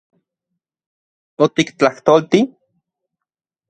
¿Otiktlajtolti...?